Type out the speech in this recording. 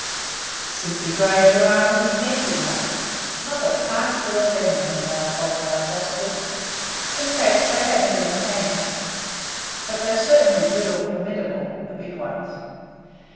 "Simply grazed your arm with his head!" he laughed. "Not a particle of venom in those hog nosed rascals; in fact, they have n't any fangs. But they certainly do look formidable, the big ones!